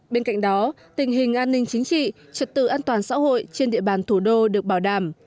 bên cạnh đó tình hình an ninh chính trị trật tự an toàn xã hội trên địa bàn thủ đô được bảo đảm